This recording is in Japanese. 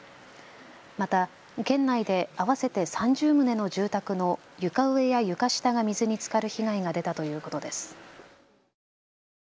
また県内で合わせて３０棟の住宅の床上や床下が水につかる被害が出たということです。